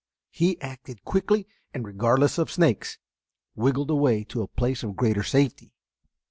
He acted quickly, and, regardless of snakes, wriggled away to a place of greater safety.